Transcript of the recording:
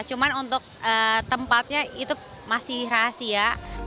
cuma untuk tempatnya itu masih rahasia